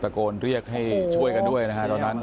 โกนเรียกให้ช่วยกันด้วยนะฮะตอนนั้น